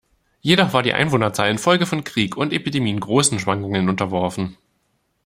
Jedoch war die Einwohnerzahl infolge von Krieg und Epidemien großen Schwankungen unterworfen.